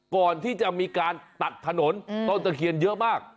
ก่อนที่จะมีการตัดถนนต้นตะเคียนเยอะมาก